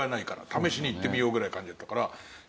試しに行ってみようぐらいの感じだったから。